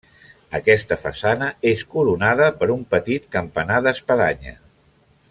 Aquesta façana és coronada per un petit campanar d'espadanya.